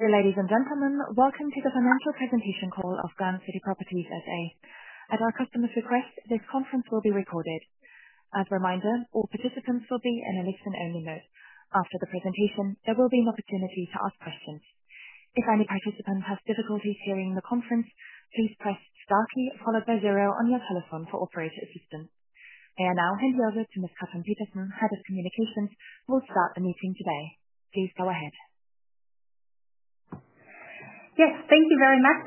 Ladies and gentlemen, welcome to the financial presentation call of Grand City Properties S.A.. At our customers' request, this conference will be recorded. As a reminder, all participants will be in a listen-only mode. After the presentation, there will be an opportunity to ask questions. If any participant has difficulties hearing the conference, please press star key followed by zero on your telephone for operator assistance. I will now hand over to Ms. Katrin Petersen, Head of Communications, who will start the meeting today. Please go ahead. Yes, thank you very much.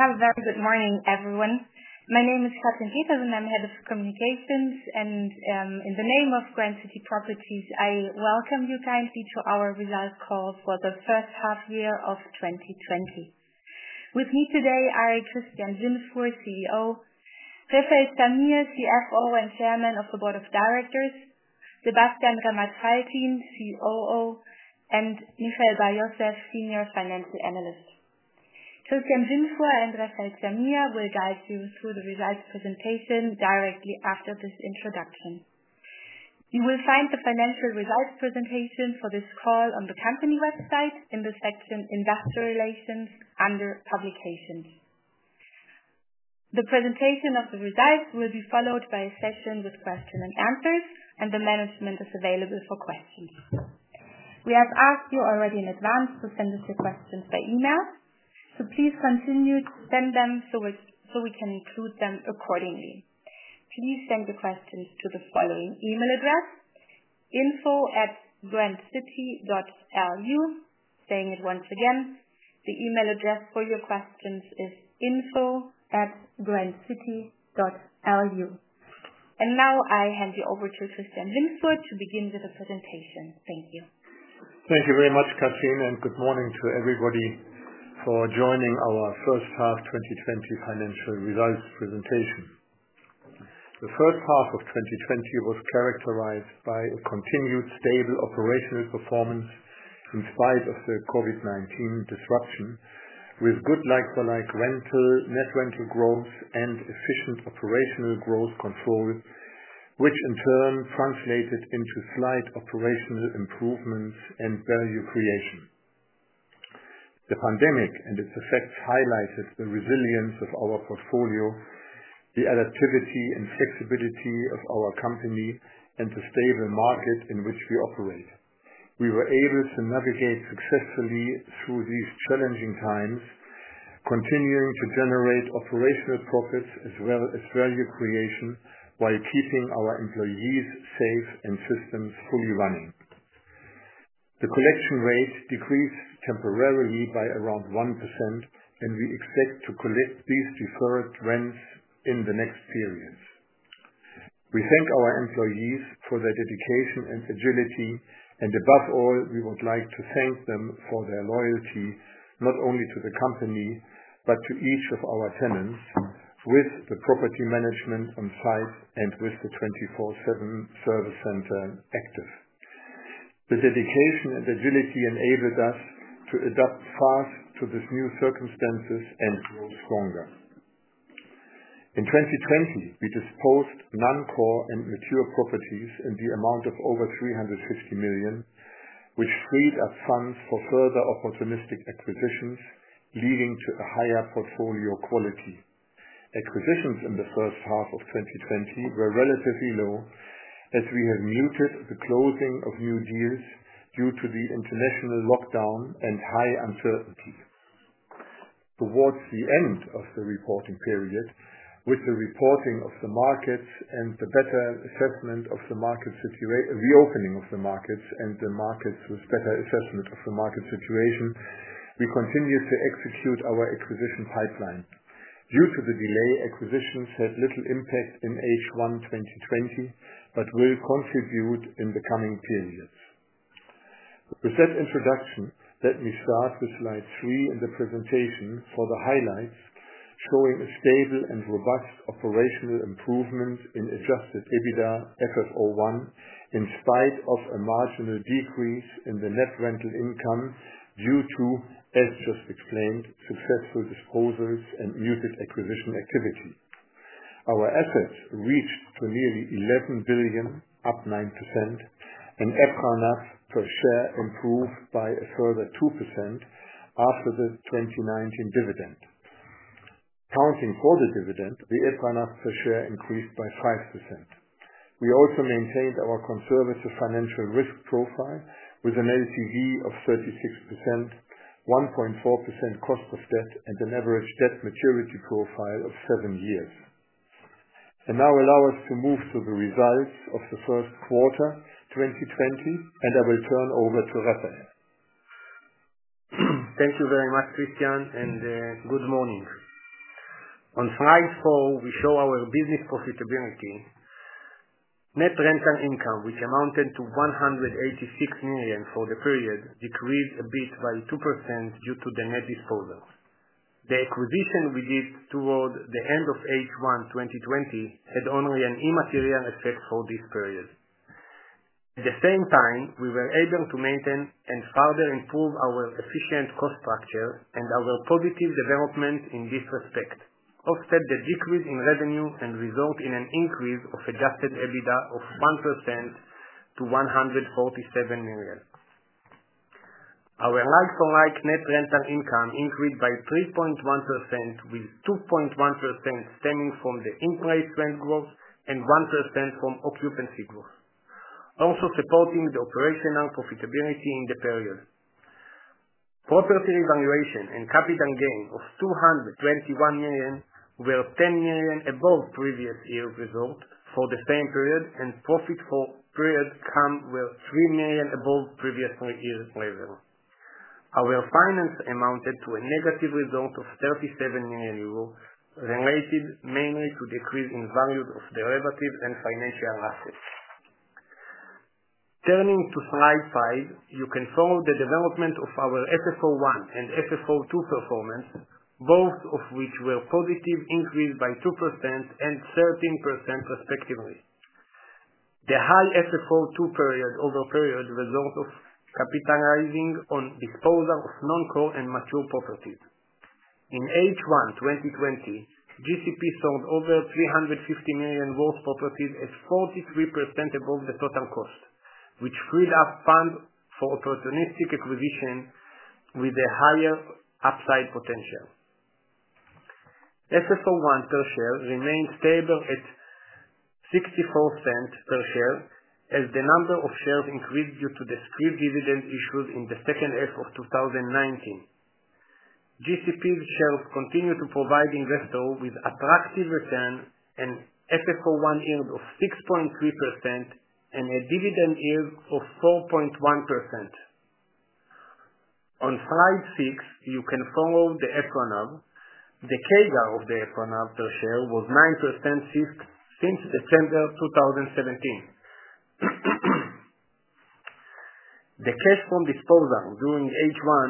Have a very good morning, everyone. My name is Katrin Petersen, and I am Head of Communications. In the name of Grand City Properties, I welcome you kindly to our results call for the first half year of 2020. With me today are Christian Windfuhr, CEO; Refael Zamir, CFO and Chairman of the Board of Directors; Sebastian Ramasahlkin, COO; and Michael Bar-Yosef, Senior Financial Analyst. Christian Windfuhr and Refael Zamir will guide you through the results presentation directly after this introduction. You will find the financial results presentation for this call on the company website in the section Investor Relations under Publications. The presentation of the results will be followed by a session with question and answers, the management is available for questions. We have asked you already in advance to send us your questions by email, please continue to send them so we can include them accordingly. Please send the questions to the following email address: info@grandcity.lu. Saying it once again, the email address for your questions is info@grandcity.lu. Now I hand you over to Christian Windfuhr to begin with the presentation. Thank you. Thank you very much, Katrin. Good morning to everybody for joining our first half 2020 financial results presentation. The first half of 2020 was characterized by a continued stable operational performance in spite of the COVID-19 disruption, with good like-for-like rental, net rental growth, and efficient operational growth control, which in turn translated into slight operational improvements and value creation. The pandemic and its effects highlighted the resilience of our portfolio, the adaptivity and flexibility of our company, and the stable market in which we operate. We were able to navigate successfully through these challenging times, continuing to generate operational profits as well as value creation while keeping our employees safe and systems fully running. The collection rate decreased temporarily by around 1%, we expect to collect these deferred rents in the next periods. We thank our employees for their dedication and agility, and above all, we would like to thank them for their loyalty, not only to the company, but to each of our tenants, with the property management on site and with the 24/7 service center active. Their dedication and agility enabled us to adapt fast to these new circumstances and grow stronger. In 2020, we disposed non-core and mature properties in the amount of over 350 million, which freed up funds for further opportunistic acquisitions, leading to a higher portfolio quality. Acquisitions in the first half of 2020 were relatively low as we have muted the closing of new deals due to the international lockdown and high uncertainty. Towards the end of the reporting period, with the opening of the markets and the better assessment of the market situation, we continued to execute our acquisition pipeline. Due to the delay, acquisitions had little impact in H1 2020, but will contribute in the coming periods. With that introduction, let me start with slide three in the presentation for the highlights, showing a stable and robust operational improvement in adjusted EBITDA FFO 1, in spite of a marginal decrease in the net rental income due to, as just explained, successful disposals and muted acquisition activity. Our assets reached to nearly 11 billion, up 9%, and EPRA NAV per share improved by a further 2% after the 2019 dividend. Accounting for the dividend, the EPRA NAV per share increased by 5%. We also maintained our conservative financial risk profile with an LTV of 36%, 1.4% cost of debt, and an average debt maturity profile of seven years. Now allow us to move to the results of the first quarter 2020, and I will turn over to Refael. Thank you very much, Christian, and good morning. On slide four, we show our business profitability. Net rental income, which amounted to 186 million for the period, decreased a bit by 2% due to the net disposals. The acquisition we did toward the end of H1 2020 had only an immaterial effect for this period. At the same time, we were able to maintain and further improve our efficient cost structure and our positive development in this respect, offset the decrease in revenue and result in an increase of adjusted EBITDA of 1%. To 147 million. Our like-for-like net rental income increased by 3.1%, with 2.1% stemming from the in-place rent growth and 1% from occupancy growth, also supporting the operational profitability in the period. Property valuation and capital gain of 221 million were 10 million above previous year's result for the same period, and profit for period income were 3 million above previous year's level. Our finance amounted to a negative result of 37 million euros, related mainly to decrease in value of derivative and financial assets. Turning to slide five, you can follow the development of our FFO 1 and FFO 2 performance, both of which were positive, increased by 2% and 13% respectively. The high FFO 2 period-over-period result of capitalizing on disposal of non-core and mature properties. In H1 2020, GCP sold over 350 million worth properties at 43% above the total cost, which freed up fund for opportunistic acquisition with a higher upside potential. FFO 1 per share remains stable at 0.64 per share as the number of shares increased due to the scrip dividend issued in the second half of 2019. GCP's shares continue to provide investor with attractive return and FFO 1 yield of 6.3% and a dividend yield of 4.1%. On slide six, you can follow the EPRA NAV. The CAGR of the EPRA NAV per share was 9% since December 2017. The cash from disposal during H1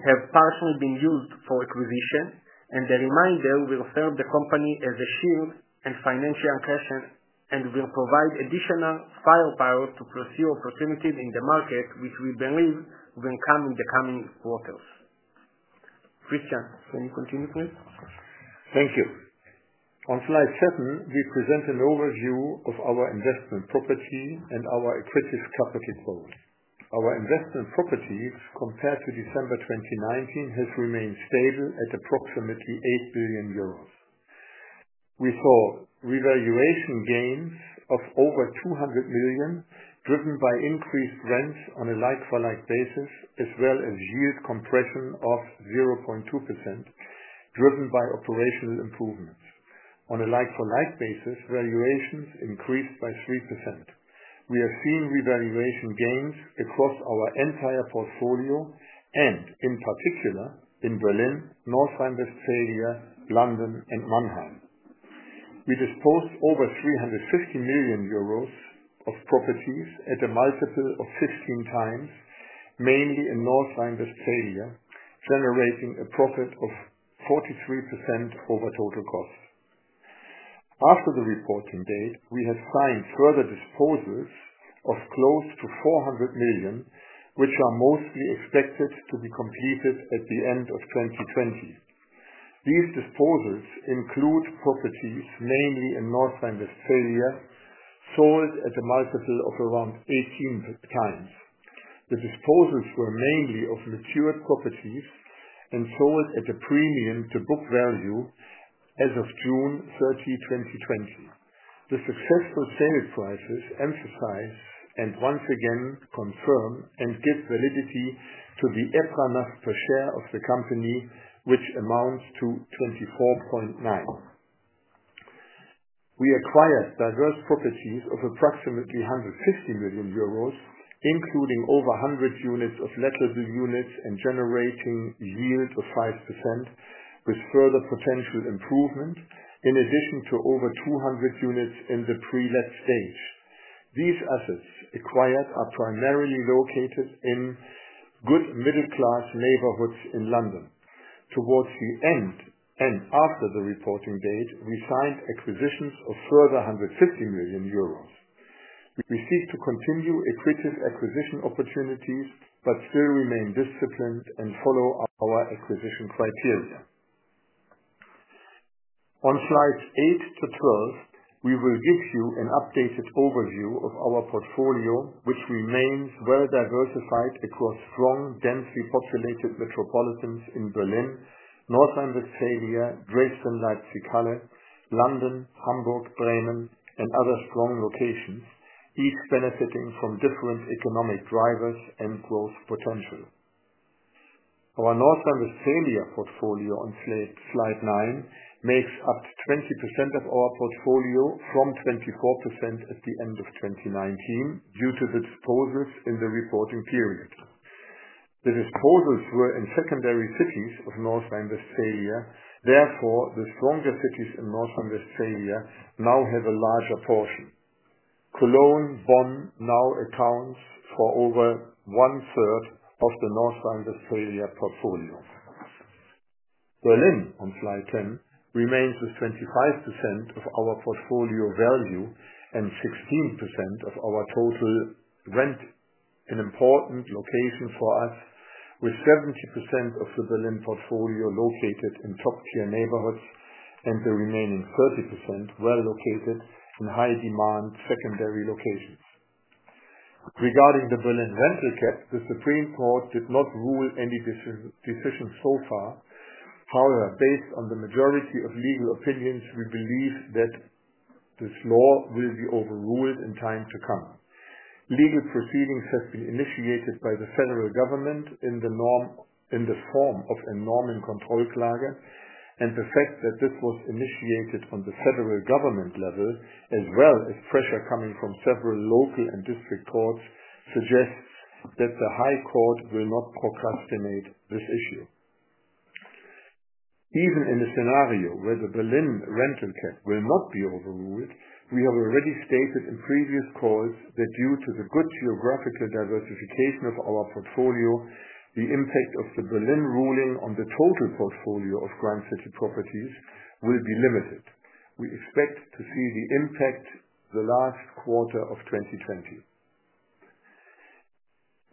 have partially been used for acquisition, and the remainder will serve the company as a shield and financial cushion, and will provide additional firepower to pursue opportunities in the market, which we believe will come in the coming quarters. Christian, can you continue, please? Thank you. On slide seven, we present an overview of our investment property and our accretive capital approach. Our investment properties compared to December 2019 has remained stable at approximately 8 billion euros. We saw revaluation gains of over 200 million, driven by increased rents on a like-for-like basis, as well as yield compression of 0.2%, driven by operational improvements. On a like-for-like basis, valuations increased by 3%. We are seeing revaluation gains across our entire portfolio and, in particular, in Berlin, North Rhine-Westphalia, London, and Mannheim. We disposed over 350 million euros of properties at a multiple of 16 times, mainly in North Rhine-Westphalia, generating a profit of 43% over total cost. After the reporting date, we have signed further disposals of close to 400 million, which are mostly expected to be completed at the end of 2020. These disposals include properties mainly in North Rhine-Westphalia, sold at a multiple of around 18 times. The disposals were mainly of mature properties and sold at a premium to book value as of June 30, 2020. The successful sales prices emphasize and once again confirm and give validity to the EPRA NAV per share of the company, which amounts to 24.9. We acquired diverse properties of approximately 150 million euros, including over 100 units of lettable units and generating yields of 5%, with further potential improvement, in addition to over 200 units in the pre-let stage. These assets acquired are primarily located in good middle-class neighborhoods in London. Towards the end and after the reporting date, we signed acquisitions of further EUR 150 million. Still remain disciplined and follow our acquisition criteria. On slides 8 to 12, we will give you an updated overview of our portfolio, which remains well diversified across strong densely populated metropolitans in Berlin, North Rhine-Westphalia, Dresden, Leipzig, Halle, London, Hamburg, Bremen, and other strong locations, each benefiting from different economic drivers and growth potential. Our North Rhine-Westphalia portfolio on slide nine makes up 20% of our portfolio from 24% at the end of 2019 due to the disposals in the reporting period. The disposals were in secondary cities of North Rhine-Westphalia. Therefore, the stronger cities in North Rhine-Westphalia now have a larger portion. Cologne, Bonn now accounts for over one-third of the North Rhine-Westphalia portfolio. Berlin, on slide 10, remains with 25% of our portfolio value and 16% of our total rent. An important location for us, with 70% of the Berlin portfolio located in top-tier neighborhoods, and the remaining 30% well-located in high-demand secondary locations. Regarding the Berlin rental cap, the Supreme Court did not rule any decision so far. However, based on the majority of legal opinions, we believe that this law will be overruled in time to come. Legal proceedings have been initiated by the Federal Government in the form of a Normenkontrollklage, and the fact that this was initiated on the Federal Government level, as well as pressure coming from several local and district courts, suggests that the High Court will not procrastinate this issue. Even in a scenario where the Berlin rental cap will not be overruled, we have already stated in previous calls that due to the good geographical diversification of our portfolio, the impact of the Berlin ruling on the total portfolio of Grand City Properties will be limited. We expect to see the impact the last quarter of 2020.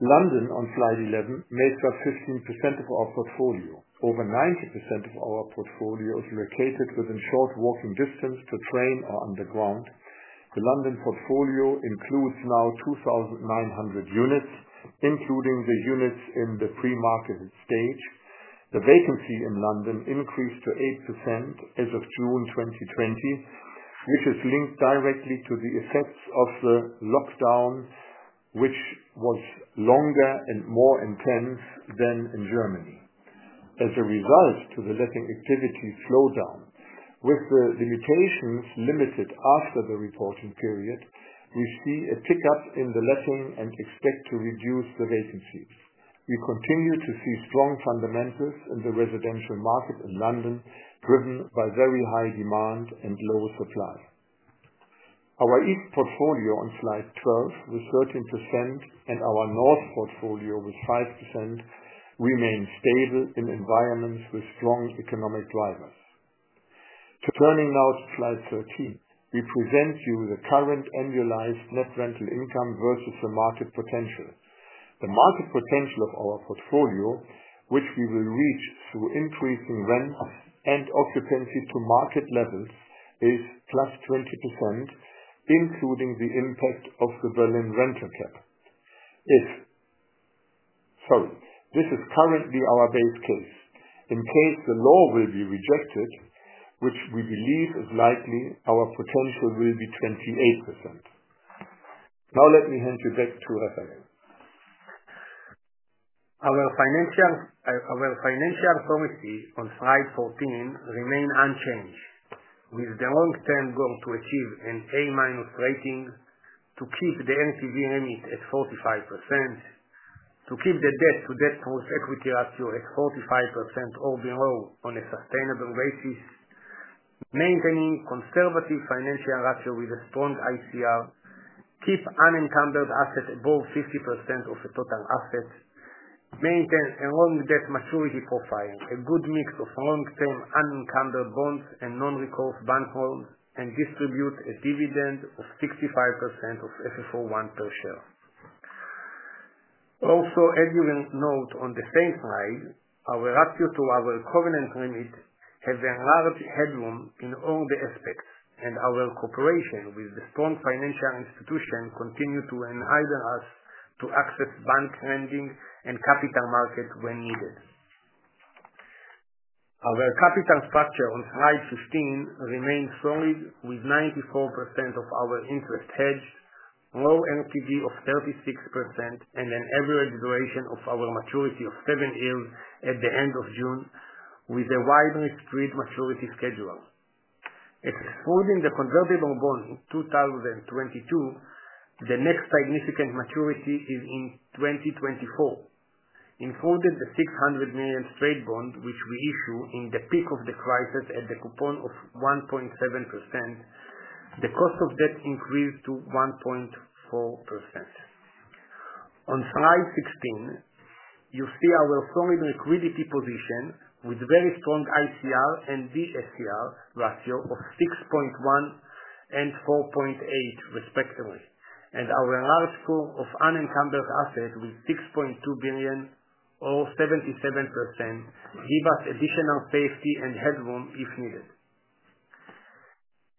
London, on slide 11, makes up 15% of our portfolio. Over 90% of our portfolio is located within short walking distance to train or underground. The London portfolio includes now 2,900 units, including the units in the pre-market stage. The vacancy in London increased to 8% as of June 2020, which is linked directly to the effects of the lockdown, which was longer and more intense than in Germany. As a result to the letting activity slow down, with the limitations limited after the reporting period, we see a pickup in the letting and expect to reduce the vacancies. We continue to see strong fundamentals in the residential market in London, driven by very high demand and low supply. Our East portfolio on slide 12 was 13%, and our North portfolio was 5%, remain stable in environments with strong economic drivers. Turning now to slide 13. We present you the current annualized net rental income versus the market potential. The market potential of our portfolio, which we will reach through increasing rent and occupancy to market levels, is +20%, including the impact of the Berlin rental cap. This is currently our base case. In case the law will be rejected, which we believe is likely, our potential will be 28%. Now let me hand you back to Refael. Our financial promises on slide 14 remain unchanged, with the long-term goal to achieve an A- rating, to keep the LTV at 45%, to keep the debt to debt plus equity ratio at 45% or below on a sustainable basis, maintaining conservative financial ratios with a strong ICR, keep unencumbered assets above 50% of the total assets, maintain a long debt maturity profile, a good mix of long-term, unencumbered bonds and non-recourse bank loans, and distribute a dividend of 65% of FFO 1 per share. As you will note on the same slide, our ratio to our covenant limit has a large headroom in all the aspects, and our cooperation with the strong financial institution continues to enable us to access bank lending and capital market when needed. Our capital structure on slide 15 remains solid, with 94% of our interest hedged, low LTV of 36%, and an average duration of our maturity of seven years at the end of June, with a widely spread maturity schedule. Excluding the convertible bond in 2022, the next significant maturity is in 2024. Including the 600 million straight bond, which we issue in the peak of the crisis at the coupon of 1.7%, the cost of debt increased to 1.4%. Slide 16, you see our solid liquidity position with very strong ICR and DSCR ratio of 6.1 and 4.8 respectively, and our large pool of unencumbered assets with 6.2 billion or 77%, gives us additional safety and headroom if needed.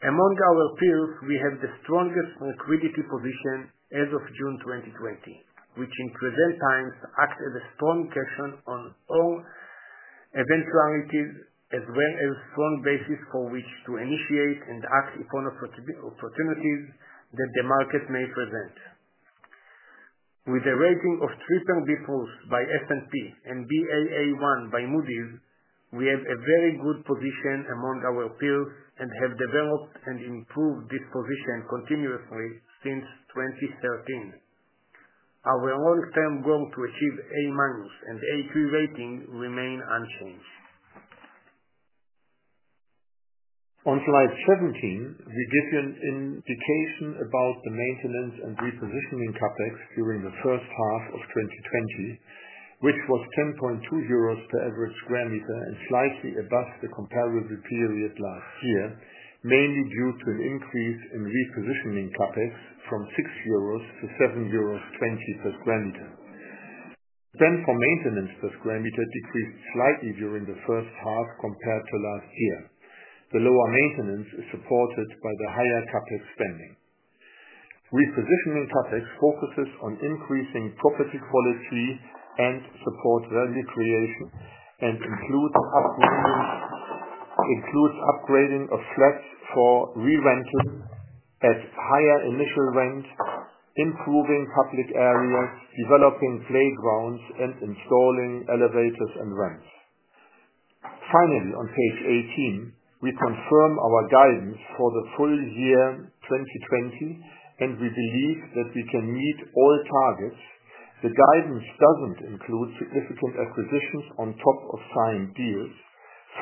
Among our peers, we have the strongest liquidity position as of June 2020, which in present times acts as a strong cushion on all eventualities, as well as strong basis for which to initiate and act upon opportunities that the market may present. With a rating of BBB+ by S&P and Baa1 by Moody's, we have a very good position among our peers and have developed and improved this position continuously since 2013. Our long-term goal to achieve A- and A2 rating remains unchanged. Slide 17, we give you an indication about the maintenance and repositioning CapEx during the first half of 2020, which was 10.2 euros per average sq m and slightly above the comparable period last year, mainly due to an increase in repositioning CapEx from 6 euros to 7.20 euros per sq m. Spend for maintenance per sq m decreased slightly during the first half compared to last year. The lower maintenance is supported by the higher CapEx spending. Repositioning CapEx focuses on increasing property quality and supports value creation, and includes upgrading of flats for re-renting at higher initial rents, improving public areas, developing playgrounds, and installing elevators and ramps. Page 18, we confirm our guidance for the full year 2020, and we believe that we can meet all targets. The guidance doesn't include significant acquisitions on top of signed deals.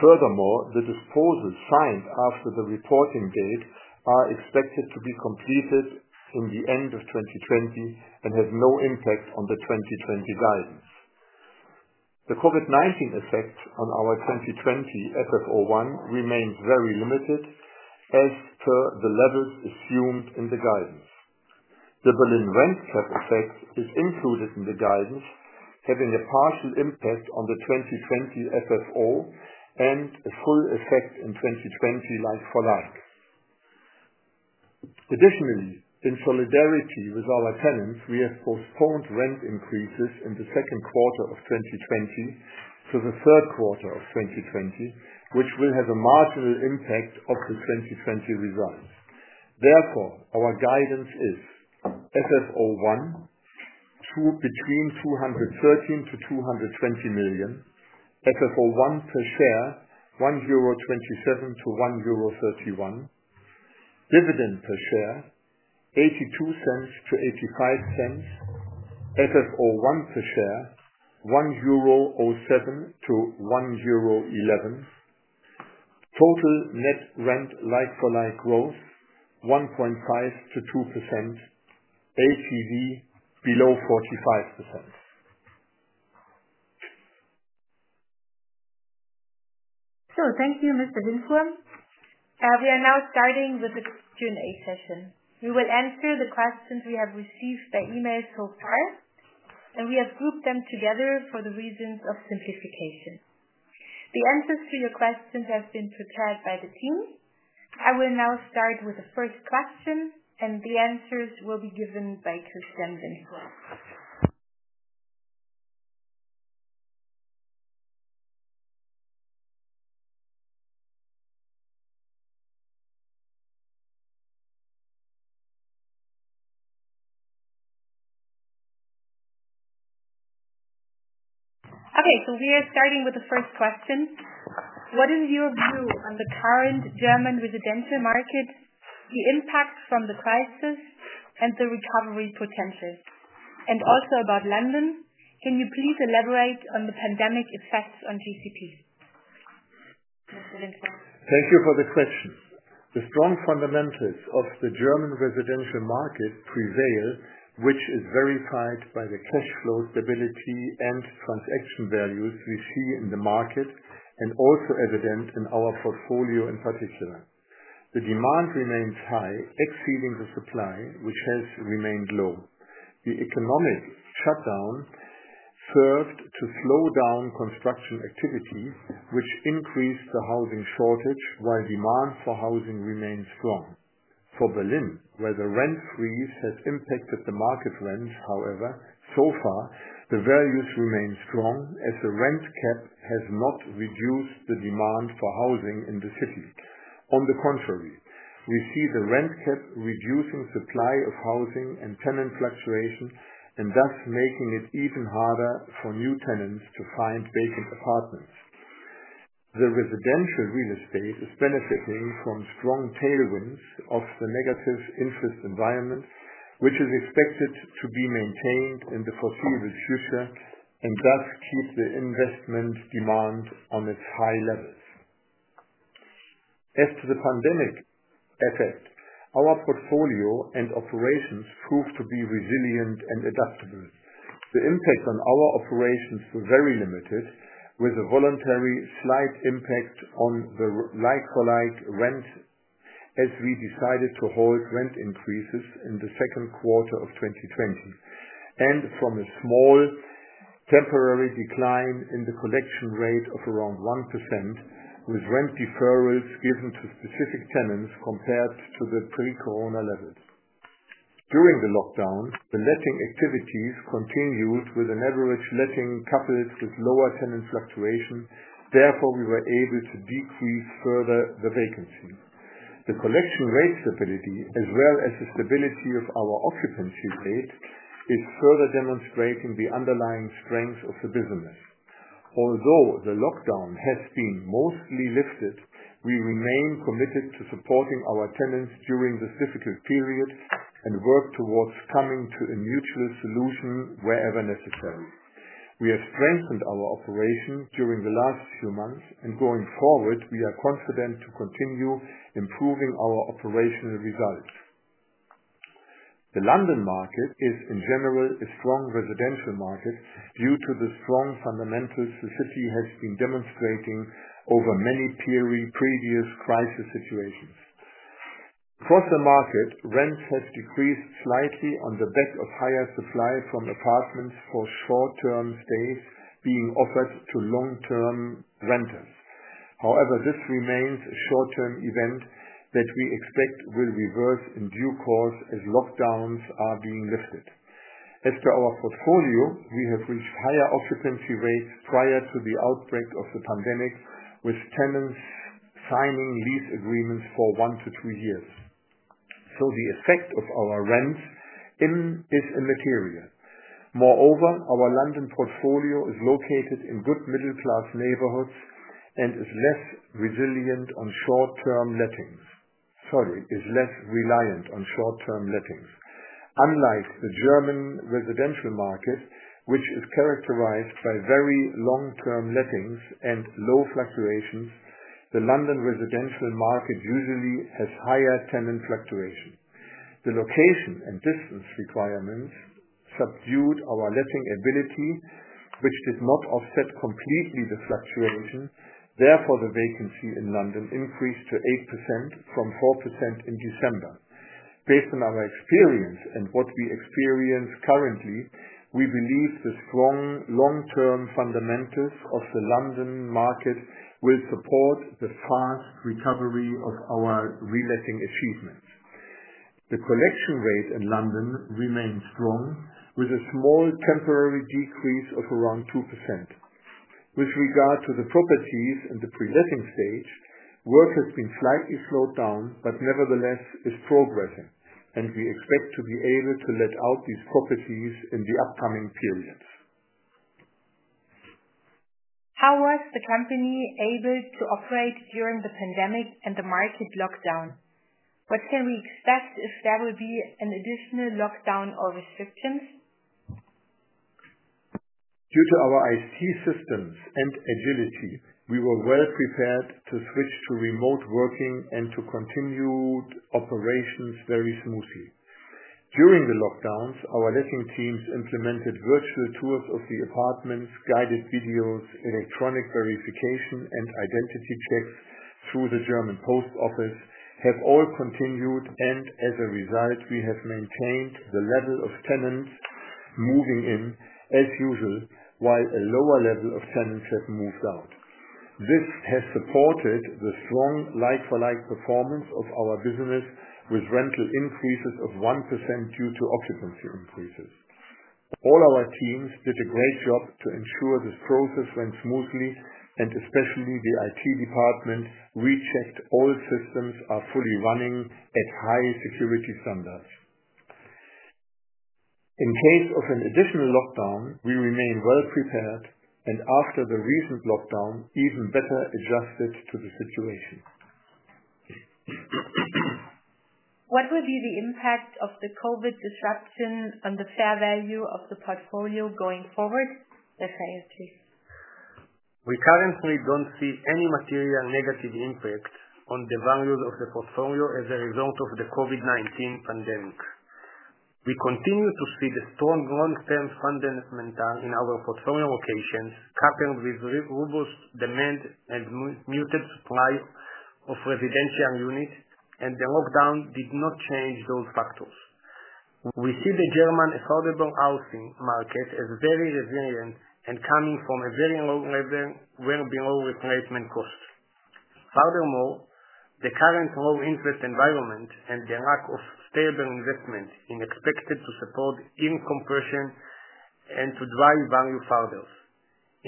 Furthermore, the disposals signed after the reporting date are expected to be completed in the end of 2020 and have no impact on the 2020 guidance. The COVID-19 effect on our 2020 FFO1 remains very limited, as per the levels assumed in the guidance. The Berlin rent cap effect is included in the guidance, having a partial impact on the 2020 FFO and a full effect in 2020 like-for-like. Additionally, in solidarity with our tenants, we have postponed rent increases in the second quarter of 2020 to the third quarter of 2020, which will have a marginal impact of the 2020 results. Therefore, our guidance is FFO1 between 213 million-220 million. FFO1 per share, 1.27-1.31 euro. Dividend per share, 0.82-0.85. FFO1 per share, 1.07-1.11 euro. Total net rent like-for-like growth, 1.5%-2%. HEV, below 45%. Thank you, Mr. Windfuhr. We are now starting with the Q&A session. We will answer the questions we have received by email so far, and we have grouped them together for the reasons of simplification. The answers to your questions have been prepared by the team. I will now start with the first question, and the answers will be given by Christian Windfuhr. We are starting with the first question. What is your view on the current German residential market, the impact from the crisis and the recovery potential? Also about London, can you please elaborate on the pandemic effects on GCP? Mr. Windfuhr. Thank you for the question. The strong fundamentals of the German residential market prevail, which is verified by the cash flow stability and transaction values we see in the market, and also evident in our portfolio in particular. The demand remains high, exceeding the supply, which has remained low. The economic shutdown served to slow down construction activity, which increased the housing shortage while demand for housing remained strong. For Berlin, where the rent freeze has impacted the market rents, however, so far, the values remain strong as the Berlin rent cap has not reduced the demand for housing in the city. On the contrary, we see the Berlin rent cap reducing supply of housing and tenant fluctuation and thus making it even harder for new tenants to find vacant apartments. The residential real estate is benefiting from strong tailwinds of the negative interest environment, which is expected to be maintained in the foreseeable future and thus keep the investment demand on its high levels. As to the pandemic effect, our portfolio and operations proved to be resilient and adaptable. The impact on our operations were very limited, with a voluntary slight impact on the like-for-like rent as we decided to hold rent increases in the second quarter of 2020. From a small temporary decline in the collection rate of around 1%, with rent deferrals given to specific tenants compared to the pre-corona levels. During the lockdown, the letting activities continued with an average letting coupled with lower tenant fluctuation. Therefore, we were able to decrease further the vacancy. The collection rate stability as well as the stability of our occupancy rate is further demonstrating the underlying strength of the business. Although the lockdown has been mostly lifted, we remain committed to supporting our tenants during this difficult period and work towards coming to a mutual solution wherever necessary. We have strengthened our operations during the last few months and going forward, we are confident to continue improving our operational results. The London market is, in general, a strong residential market due to the strong fundamentals the city has been demonstrating over many previous crisis situations. For the market, rents have decreased slightly on the back of higher supply from apartments for short-term stays being offered to long-term renters. However, this remains a short-term event that we expect will reverse in due course as lockdowns are being lifted. As to our portfolio, we have reached higher occupancy rates prior to the outbreak of the pandemic, with tenants signing lease agreements for one to three years. The effect of our rents is immaterial. Moreover, our London portfolio is located in good middle-class neighborhoods and is less reliant on short-term lettings. Unlike the German residential market, which is characterized by very long-term lettings and low fluctuations, the London residential market usually has higher tenant fluctuation. The location and distance requirements subdued our letting ability, which did not offset completely the fluctuation. Therefore, the vacancy in London increased to 8% from 4% in December. Based on our experience and what we experience currently, we believe the strong long-term fundamentals of the London market will support the fast recovery of our reletting achievements. The collection rate in London remains strong, with a small temporary decrease of around 2%. With regard to the properties in the pre-letting stage, work has been slightly slowed down, but nevertheless is progressing, and we expect to be able to let out these properties in the upcoming periods. How was the company able to operate during the pandemic and the market lockdown? What can we expect if there will be an additional lockdown or restrictions? Due to our IT systems and agility, we were well prepared to switch to remote working and to continued operations very smoothly. During the lockdowns, our letting teams implemented virtual tours of the apartments, guided videos, electronic verification, and identity checks through the German post office, have all continued, and as a result, we have maintained the level of tenants moving in as usual, while a lower level of tenants have moved out. This has supported the strong like-for-like performance of our business with rental increases of 1% due to occupancy increases. All our teams did a great job to ensure this process went smoothly, and especially the IT department rechecked all systems are fully running at high security standards. In case of an additional lockdown, we remain well prepared, and after the recent lockdown, even better adjusted to the situation. What will be the impact of the COVID disruption on the fair value of the portfolio going forward? Refael, please. We currently don't see any material negative impact on the value of the portfolio as a result of the COVID-19 pandemic. We continue to see the strong long-term fundamentals in our portfolio locations coupled with robust demand and muted supply of residential units. The lockdown did not change those factors. We see the German affordable housing market as very resilient and coming from a very low level, well below replacement cost. Furthermore, the current low interest environment and the lack of sustainable investment is expected to support income compression and to drive value further.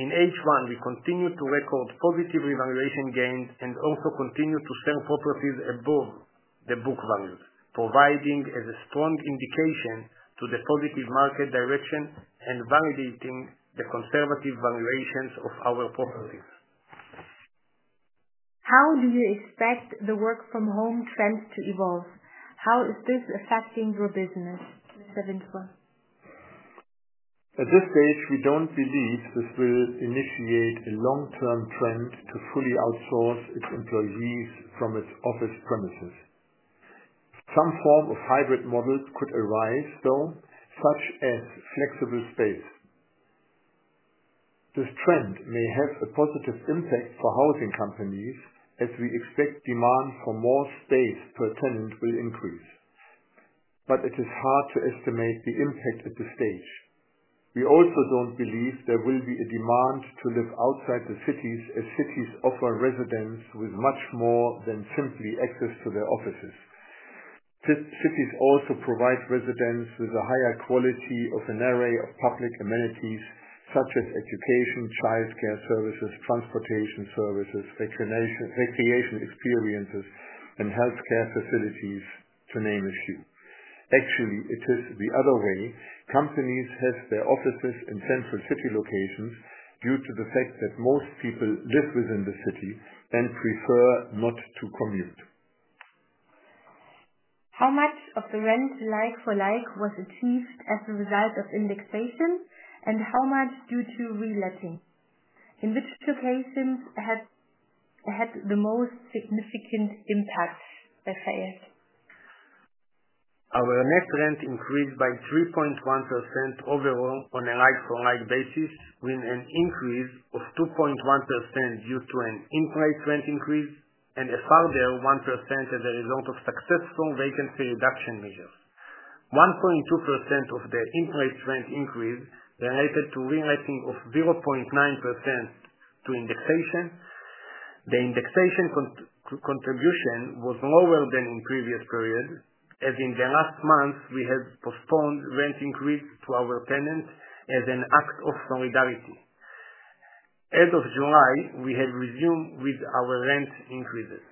In H1, we continued to record positive revaluation gains and also continued to sell properties above the book value, providing as a strong indication to the positive market direction and validating the conservative valuations of our properties. How do you expect the work from home trend to evolve? How is this affecting your business? Mr. Windfuhr. At this stage, we don't believe this will initiate a long-term trend to fully outsource its employees from its office premises. Some form of hybrid model could arise, though, such as flexible space. This trend may have a positive impact for housing companies as we expect demand for more space per tenant will increase. It is hard to estimate the impact at this stage. We also don't believe there will be a demand to live outside the cities as cities offer residents with much more than simply access to their offices. Cities also provide residents with a higher quality of an array of public amenities such as education, childcare services, transportation services, recreation experiences, and healthcare facilities, to name a few. It is the other way. Companies have their offices in central city locations due to the fact that most people live within the city and prefer not to commute. How much of the rent like-for-like was achieved as a result of indexation, and how much due to reletting? In which locations That had the most significant impact, Refael. Our net rent increased by 3.1% overall on a like-for-like basis, with an increase of 2.1% due to an in-place rent increase and a further 1% as a result of successful vacancy reduction measures. 1.2% of the in-place rent increase related to reletting of 0.9% to indexation. The indexation contribution was lower than in previous periods as in the last month, we had postponed rent increase to our tenants as an act of solidarity. As of July, we had resumed with our rent increases.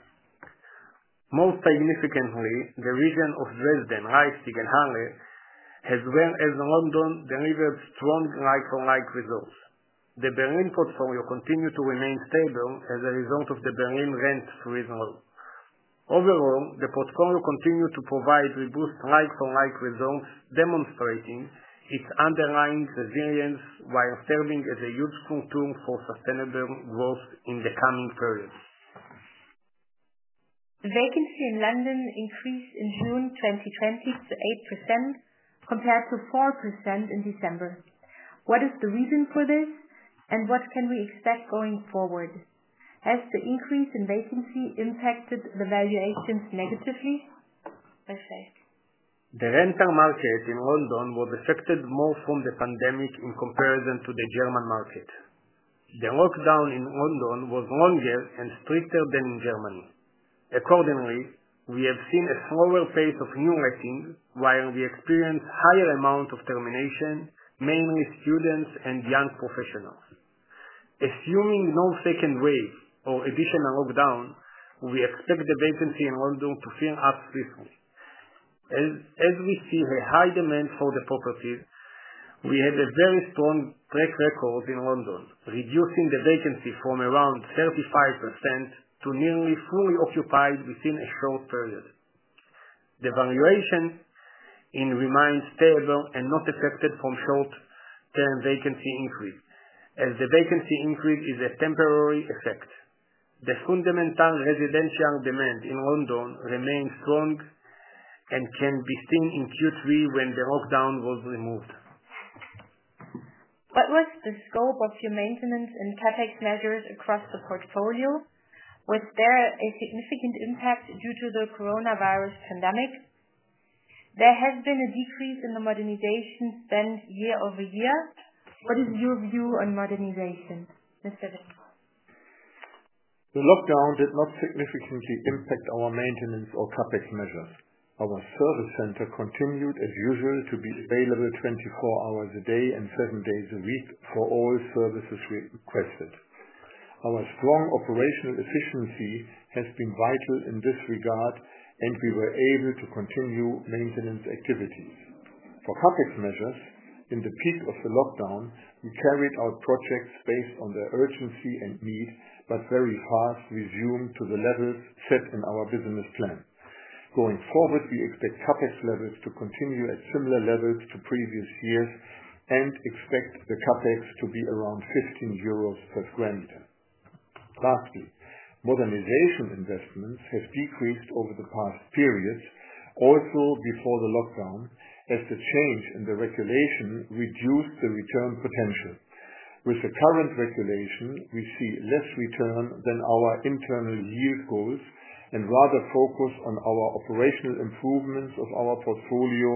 Most significantly, the region of Dresden, Leipzig and Halle, as well as London, delivered strong like-for-like results. The Berlin portfolio continued to remain stable as a result of the Berlin rent cap. The portfolio continued to provide robust like-for-like results, demonstrating its underlying resilience while serving as a useful tool for sustainable growth in the coming periods. Vacancy in London increased in June 2020 to 8%, compared to 4% in December. What is the reason for this, and what can we expect going forward? Has the increase in vacancy impacted the valuations negatively, Refael? The rental market in London was affected more from the pandemic in comparison to the German market. The lockdown in London was longer and stricter than in Germany. Accordingly, we have seen a slower pace of new lettings, while we experienced higher amount of termination, mainly students and young professionals. Assuming no second wave or additional lockdown, we expect the vacancy in London to fill up quickly. As we see a high demand for the property, we had a very strong track record in London, reducing the vacancy from around 35% to nearly fully occupied within a short period. The valuation remains stable and not affected from short-term vacancy increase, as the vacancy increase is a temporary effect. The fundamental residential demand in London remains strong and can be seen in Q3 when the lockdown was removed. What was the scope of your maintenance and CapEx measures across the portfolio? Was there a significant impact due to the coronavirus pandemic? There has been a decrease in the modernization spend year-over-year. What is your view on modernization, Mr. Christian? The lockdown did not significantly impact our maintenance or CapEx measures. Our service center continued as usual to be available 24 hours a day and seven days a week for all services requested. Our strong operational efficiency has been vital in this regard, and we were able to continue maintenance activities. For CapEx measures, in the peak of the lockdown, we carried out projects based on their urgency and need, but very fast resumed to the levels set in our business plan. Going forward, we expect CapEx levels to continue at similar levels to previous years and expect the CapEx to be around 15 euros per square meter. Lastly, modernization investments have decreased over the past periods, also before the lockdown, as the change in the regulation reduced the return potential. With the current regulation, we see less return than our internal yield goals and rather focus on our operational improvements of our portfolio,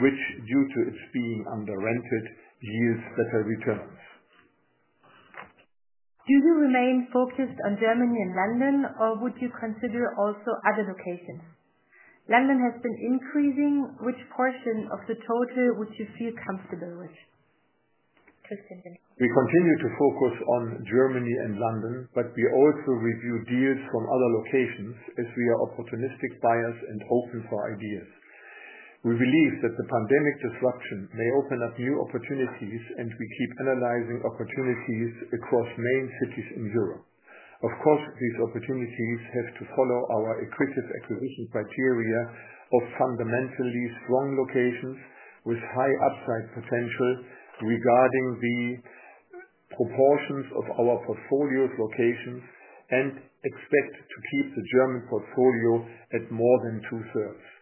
which due to it being under rented, yields better returns. Do you remain focused on Germany and London, or would you consider also other locations? London has been increasing. Which portion of the total would you feel comfortable with? Christian. We continue to focus on Germany and London. We also review deals from other locations as we are opportunistic buyers and open for ideas. We believe that the pandemic disruption may open up new opportunities. We keep analyzing opportunities across main cities in Europe. Of course, these opportunities have to follow our accretive acquisition criteria of fundamentally strong locations with high upside potential regarding the proportions of our portfolio's location and expect to keep the German portfolio at more than two-thirds.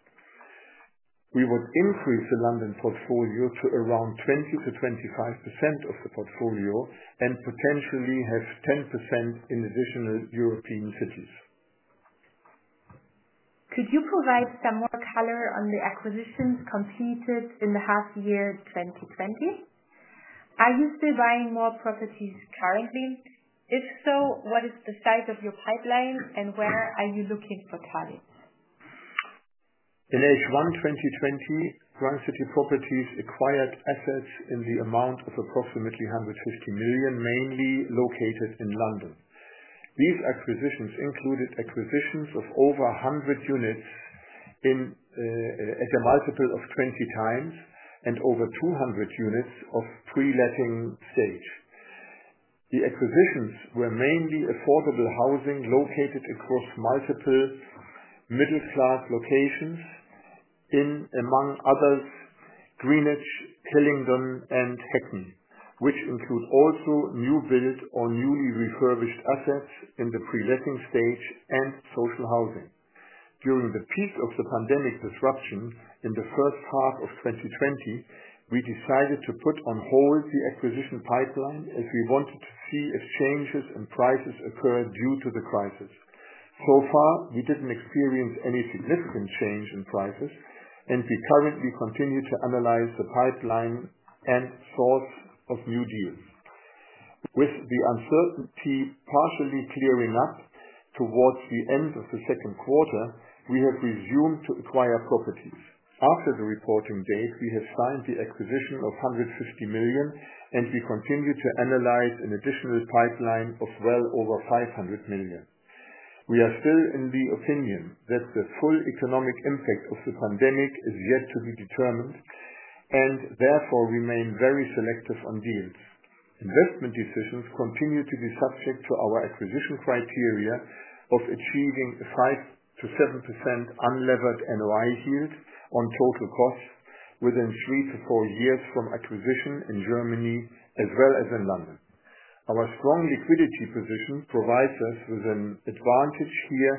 We would increase the London portfolio to around 20%-25% of the portfolio and potentially have 10% in additional European cities. Could you provide some more color on the acquisitions completed in the half year 2020? Are you still buying more properties currently? If so, what is the size of your pipeline and where are you looking for targets? In H1 2020, Grand City Properties acquired assets in the amount of approximately 150 million, mainly located in London. These acquisitions included acquisitions of over 100 units at a multiple of 20 times and over 200 units of pre-letting stage. The acquisitions were mainly affordable housing located across multiple middle-class locations among others, Greenwich, Hillingdon, and Hackney, which include also new build or newly refurbished assets in the pre-letting stage and social housing. During the peak of the pandemic disruption in the first half of 2020, we decided to put on hold the acquisition pipeline as we wanted to see if changes in prices occur due to the crisis. Far, we didn't experience any significant change in prices, and we currently continue to analyze the pipeline and source of new deals. With the uncertainty partially clearing up towards the end of the second quarter, we have resumed to acquire properties. After the reporting date, we have signed the acquisition of 150 million, and we continue to analyze an additional pipeline of well over 500 million. We are still in the opinion that the full economic impact of the pandemic is yet to be determined, therefore remain very selective on deals. Investment decisions continue to be subject to our acquisition criteria of achieving a 5%-7% unlevered NOI yield on total costs within three to four years from acquisition in Germany as well as in London. Our strong liquidity position provides us with an advantage here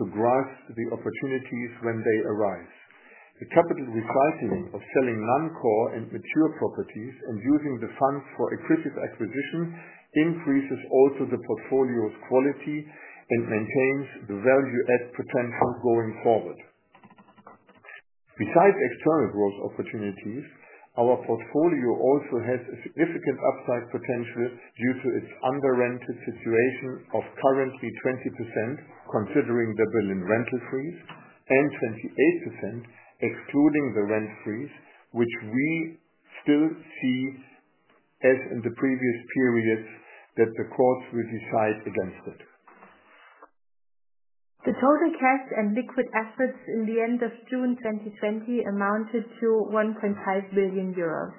to grasp the opportunities when they arise. The capital recycling of selling non-core and mature properties and using the funds for accretive acquisitions increases also the portfolio's quality and maintains the value add potential going forward. Besides external growth opportunities, our portfolio also has a significant upside potential due to its under-rented situation of currently 20%, considering the Berlin rental freeze, and 28%, excluding the rent freeze, which we still see, as in the previous periods, that the courts will decide against it. The total cash and liquid assets in the end of June 2020 amounted to 1.5 billion euros.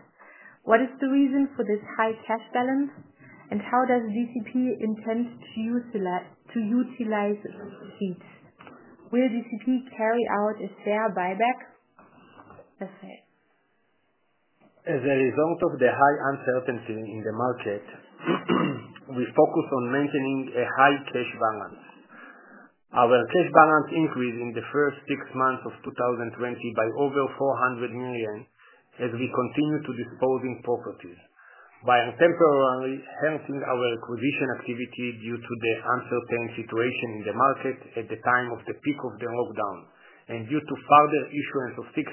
What is the reason for this high cash balance, and how does GCP intend to utilize it? Will GCP carry out a share buyback? Mr. Refael. As a result of the high uncertainty in the market, we focus on maintaining a high cash balance. Our cash balance increased in the first six months of 2020 by over 400 million, as we continue to disposing properties. By temporarily halting our acquisition activity due to the uncertain situation in the market at the time of the peak of the lockdown, and due to further issuance of 600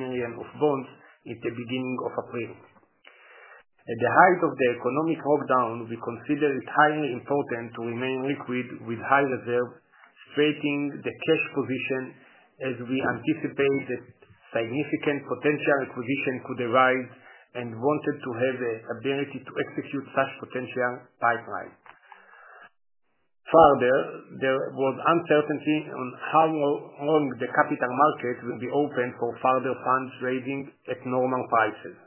million of bonds at the beginning of April. At the height of the economic lockdown, we considered it highly important to remain liquid with high reserve, strengthening the cash position as we anticipate that significant potential acquisition could arise, and wanted to have the ability to execute such potential pipeline. Further, there was uncertainty on how long the capital markets will be open for further fundraising at normal prices.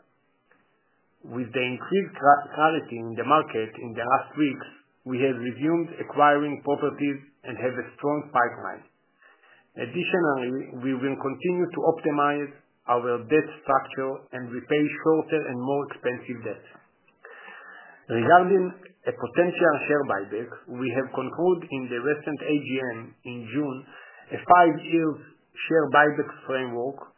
With the increased clarity in the market in the last weeks, we have resumed acquiring properties and have a strong pipeline. Additionally, we will continue to optimize our debt structure and repay shorter and more expensive debt. Regarding a potential share buyback, we have concluded in the recent AGM in June a five-year share buyback framework.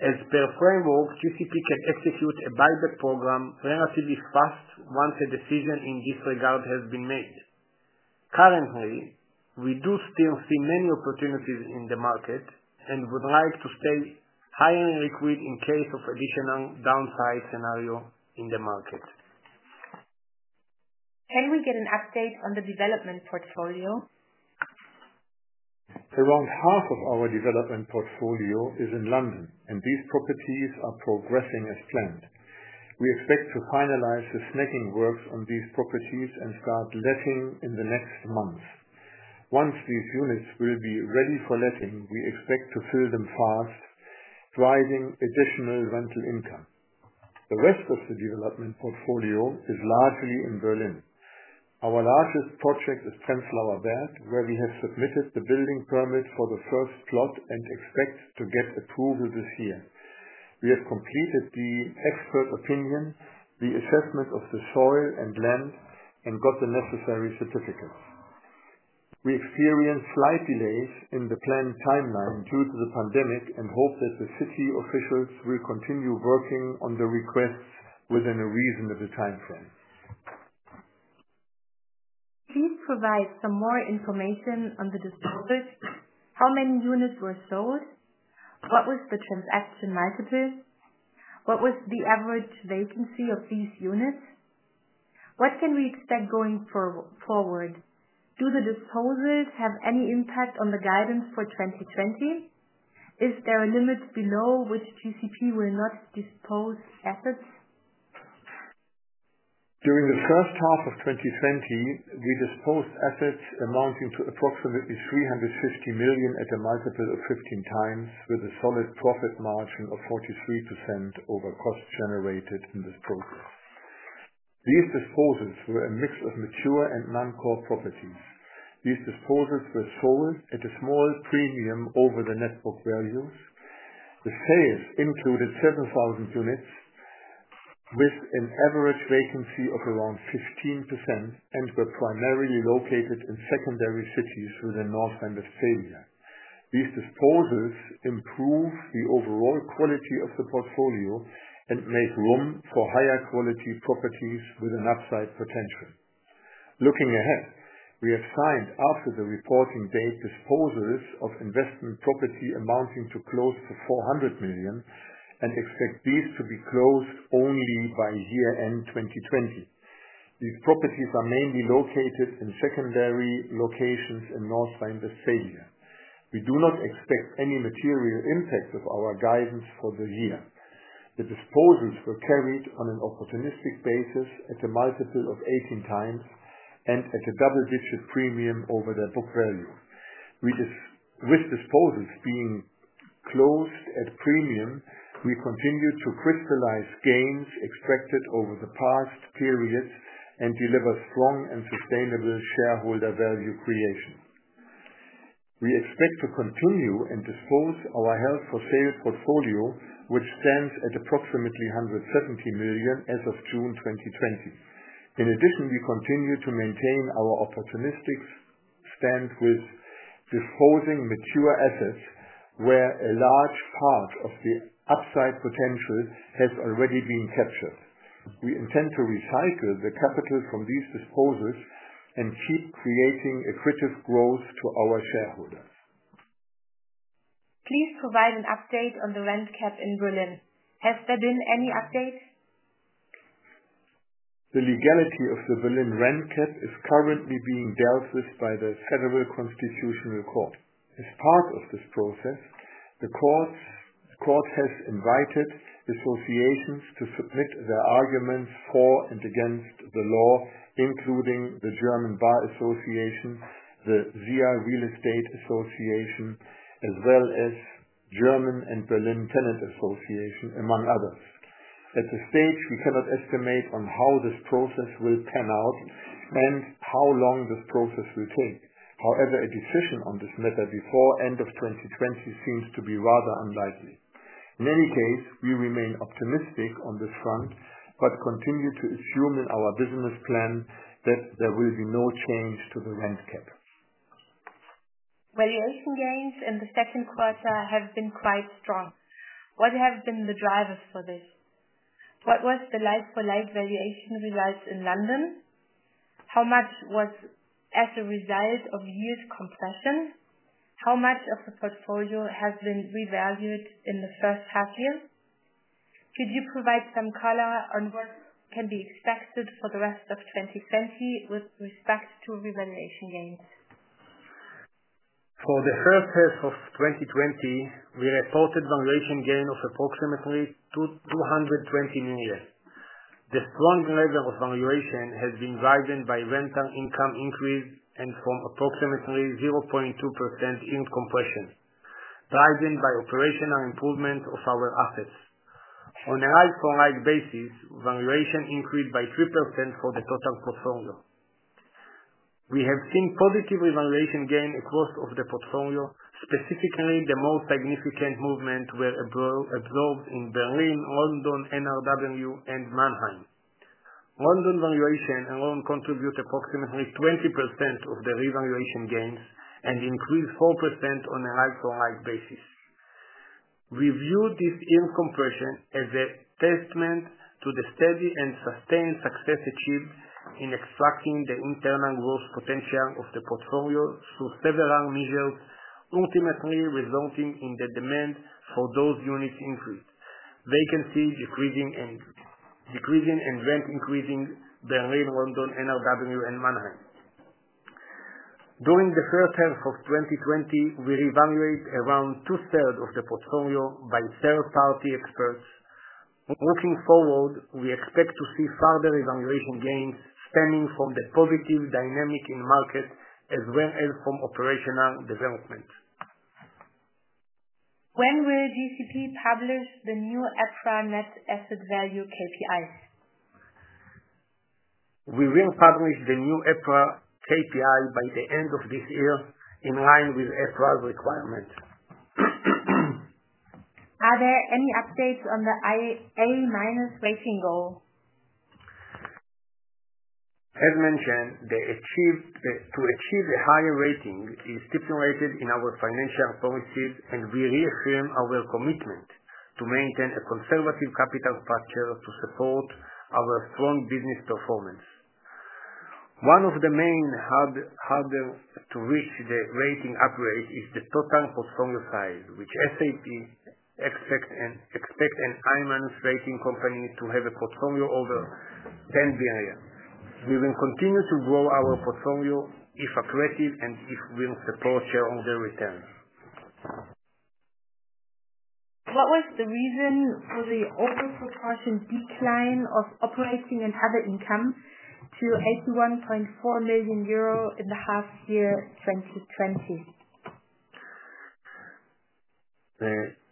As per framework, GCP can execute a buyback program relatively fast once a decision in this regard has been made. Currently, we do still see many opportunities in the market and would like to stay highly liquid in case of additional downside scenario in the market. Can we get an update on the development portfolio? Around half of our development portfolio is in London, and these properties are progressing as planned. We expect to finalize the snagging works on these properties and start letting in the next month. Once these units will be ready for letting, we expect to fill them fast, driving additional rental income. The rest of the development portfolio is largely in Berlin. Our largest project is Prenzlauer Berg, where we have submitted the building permit for the first plot and expect to get approval this year. We have completed the expert opinion, the assessment of the soil and land, and got the necessary certificates. We experienced slight delays in the planned timeline due to the pandemic and hope that the city officials will continue working on the requests within a reasonable timeframe. Can you provide some more information on the disposals? How many units were sold? What was the transaction multiple? What was the average vacancy of these units? What can we expect going forward? Do the disposals have any impact on the guidance for 2020? Is there a limit below which GCP will not dispose assets? During the first half of 2020, we disposed assets amounting to approximately 350 million at a multiple of 15 times with a solid profit margin of 43% over cost generated in this program. These disposals were a mix of mature and non-core properties. These disposals were sold at a small premium over the net book values. The sales included 7,000 units with an average vacancy of around 15% and were primarily located in secondary cities within North Rhine-Westphalia. These disposals improve the overall quality of the portfolio and make room for higher quality properties with an upside potential. Looking ahead, we have signed after the reporting date disposals of investment property amounting to close to 400 million, and expect these to be closed only by year-end 2020. These properties are mainly located in secondary locations in North Rhine-Westphalia. We do not expect any material impact of our guidance for the year. The disposals were carried on an opportunistic basis at a multiple of 18 times and at a double-digit premium over their book value. With disposals being closed at premium, we continue to crystallize gains expected over the past period and deliver strong and sustainable shareholder value creation. We expect to continue and dispose our held-for-sale portfolio, which stands at approximately 170 million as of June 2020. In addition, we continue to maintain our opportunistic stance with disposing mature assets, where a large part of the upside potential has already been captured. We intend to recycle the capital from these disposals and keep creating accretive growth to our shareholders. Please provide an update on the rent cap in Berlin. Has there been any updates? The legality of the Berlin rent cap is currently being dealt with by the Federal Constitutional Court. As part of this process, the court has invited associations to submit their arguments for and against the law, including the German Bar Association, the ZIA Real Estate Association, as well as German and Berlin Tenants Association, among others. At this stage, we cannot estimate on how this process will pan out and how long this process will take. However, a decision on this matter before end of 2020 seems to be rather unlikely. In any case, we remain optimistic on this front, but continue to assume in our business plan that there will be no change to the rent cap. Valuation gains in the second quarter have been quite strong. What have been the drivers for this? What was the like-for-like valuation realized in London? How much was as a result of yield compression? How much of the portfolio has been revalued in the first half year? Could you provide some color on what can be expected for the rest of 2020 with respect to revaluation gains? For the first half of 2020, we reported valuation gain of approximately 220 million. The strong level of valuation has been driven by rental income increase and from approximately 0.2% yield compression, driven by operational improvement of our assets. On a like-for-like basis, valuation increased by 3% for the total portfolio. We have seen positive revaluation gain across of the portfolio. Specifically, the most significant movement were absorbed in Berlin, London, NRW and Mannheim. London valuation alone contribute approximately 20% of the revaluation gains and increased 4% on a like-for-like basis. We view this yield compression as a testament to the steady and sustained success achieved in extracting the internal growth potential of the portfolio through several measures, ultimately resulting in the demand for those units increased. Vacancy decreasing and rent increasing Berlin, London, NRW and Mannheim. During the first half of 2020, we revaluate around two-third of the portfolio by third-party experts. Looking forward, we expect to see further revaluation gains stemming from the positive dynamic in market as well as from operational development. When will GCP publish the new EPRA net asset value KPIs? We will publish the new EPRA KPI by the end of this year, in line with EPRA requirements. Are there any updates on the A- rating goal? As mentioned, to achieve a higher rating is stipulated in our financial policies, we reaffirm our commitment to maintain a conservative capital structure to support our strong business performance. One of the main hurdle to reach the rating upgrade is the total portfolio size, which S&P expect an A- rating company to have a portfolio over 10 billion. We will continue to grow our portfolio if accretive and if will support shareholder returns. What was the reason for the over proportion decline of operating and other income to 81.4 million euro in the half year 2020?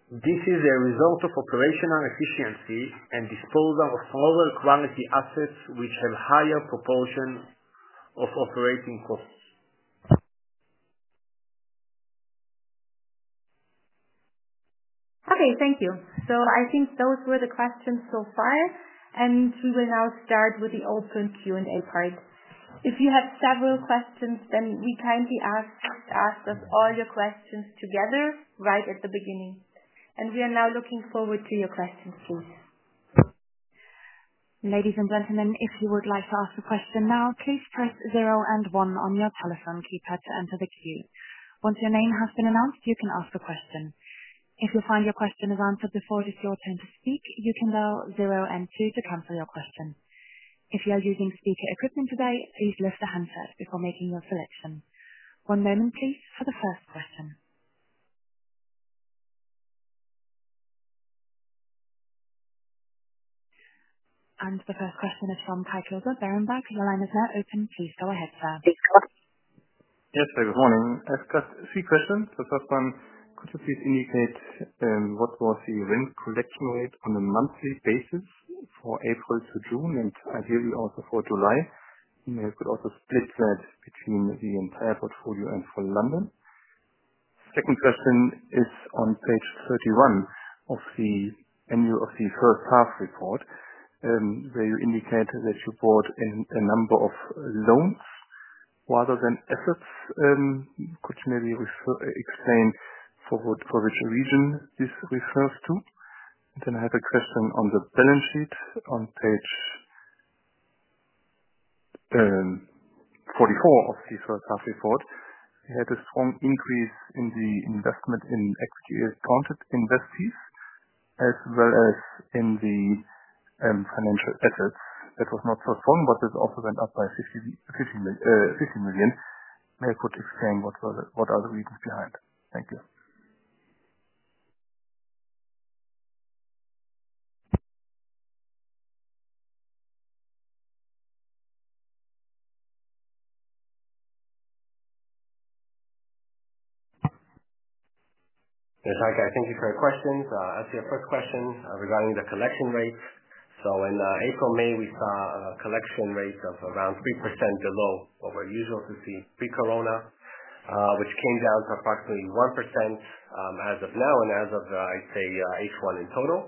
This is a result of operational efficiency and disposal of lower quality assets which have higher proportion of operating costs. Okay, thank you. I think those were the questions so far, and we will now start with the open Q&A part. If you have several questions, we kindly ask that you ask us all your questions together right at the beginning. We are now looking forward to your questions, please. Ladies and gentlemen, if you would like to ask a question now, please press zero and one on your telephone keypad to enter the queue. Once your name has been announced, you can ask a question. If you find your question is answered before it is your turn to speak, you can dial zero and two to cancel your question. If you are using speaker equipment today, please lift the handset before making your selection. One moment please for the first question. The first question is from Kai Klose with Berenberg. Your line is now open. Please go ahead, sir. Yes, good morning. I've got three questions. The first one, could you please indicate what was the rent collection rate on a monthly basis for April to June? Ideally, also for July. You could also split that between the entire portfolio and for London. Second question is on page 31 of the first half report, where you indicate that you bought a number of loans rather than assets. Could you maybe explain for which region this refers to? I have a question on the balance sheet on page 44 of the first half report. You had a strong increase in the investment in equity accounted investees, as well as in the financial assets. That was not so strong, but it also went up by 60 million. Could you explain what are the reasons behind? Thank you. Hi, Kai. Thank you for your questions. As to your first question regarding the collection rate. In April, May, we saw a collection rate of around 3% below what we usually see pre-corona, which came down to approximately 1% as of now and as of, I'd say, H1 in total.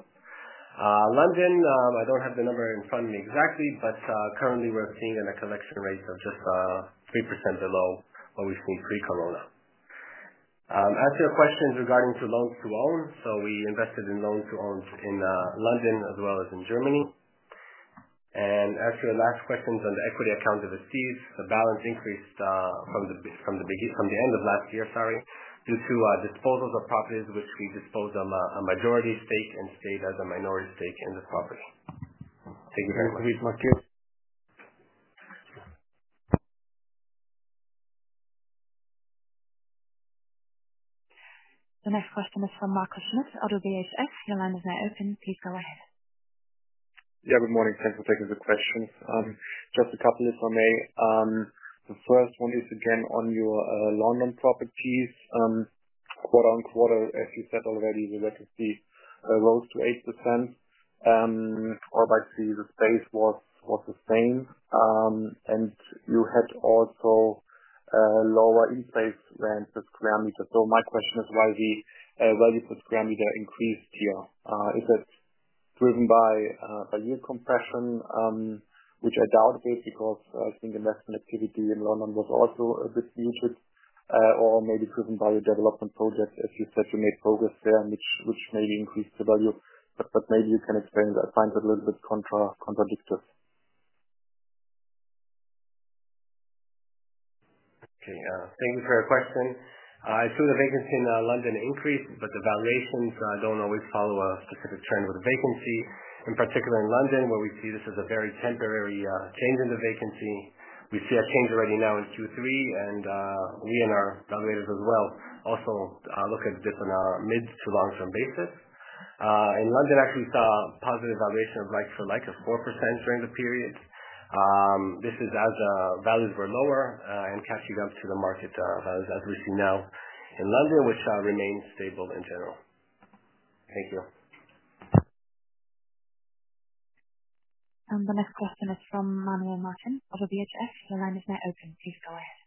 London, I don't have the number in front of me exactly, but currently we're seeing a collection rate of just 3% below what we've seen pre-corona. As to your questions regarding loan-to-own. We invested in loan-to-own in London as well as in Germany. As to your last questions on the equity accounted investees, the balance increased from the end of last year, due to disposals of properties which we disposed of a majority stake and stayed as a minority stake in the property. Thank you very much. The next question is from Markus Schmidt, ODDO BHF. Your line is now open. Please go ahead. Good morning. Thanks for taking the questions. Just a couple if I may. The first one is again on your London properties. Quarter-on-quarter, as you said already, the vacancy rose to 8%, or actually the space was the same. You had also a lower increase than per square meter. My question is why the square meter increased here. Is it driven by yield compression? Which I doubt it, because I think investment activity in London was also a bit muted. Maybe driven by your development projects, as you said, you made progress there, which maybe increased the value. Maybe you can explain that. I find it a little bit contradictory. Thank you for your question. I saw the vacancy in London increased, but the valuations don't always follow a specific trend with the vacancy. In particular in London, where we see this as a very temporary change in the vacancy. We see a change already now in Q3, we and our valuators as well, also look at this on a mid-to-long-term basis. In London, actually saw a positive valuation of like-for-like of 4% during the period. This is as values were lower and catching up to the market as we see now in London, which remains stable in general. Thank you. The next question is from Manuel Martin of BHF. Your line is now open. Please go ahead.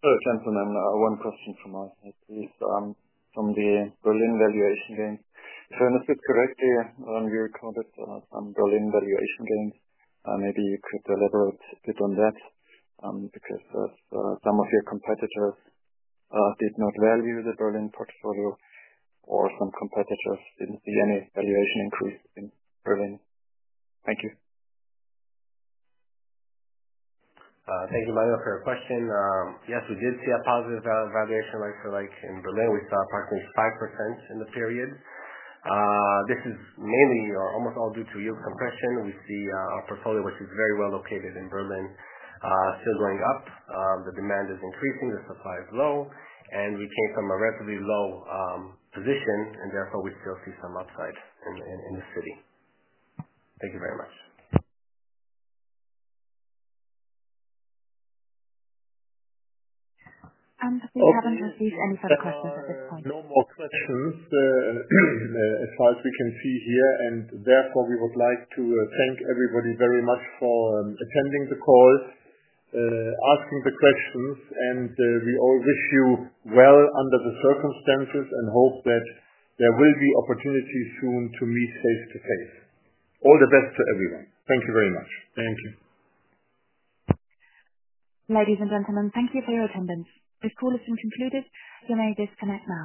Hello, gentlemen. One question from us, please. From the Berlin valuation gains. If I understood correctly, you recorded some Berlin valuation gains. Maybe you could elaborate a bit on that, because some of your competitors did not value the Berlin portfolio, or some competitors didn't see any valuation increase in Berlin. Thank you. Thank you, Manuel, for your question. Yes, we did see a positive valuation like-for-like in Berlin. We saw approximately 5% in the period. This is mainly almost all due to yield compression. We see our portfolio, which is very well located in Berlin, still going up. The demand is increasing, the supply is low. We came from a relatively low position. Therefore, we still see some upside in the city. Thank you very much. We haven't received any further questions at this point. If there are no more questions as far as we can see here, therefore, we would like to thank everybody very much for attending the call, asking the questions. We all wish you well under the circumstances and hope that there will be opportunities soon to meet face-to-face. All the best to everyone. Thank you very much. Thank you. Ladies and gentlemen, thank you for your attendance. This call has been concluded. You may disconnect now.